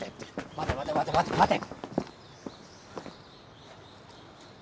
待て待て待て待て待て！